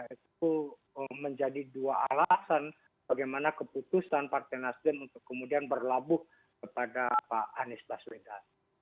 itu menjadi dua alasan bagaimana keputusan partai nasdem untuk kemudian berlabuh kepada pak anies baswedan